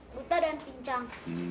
buta dan pincang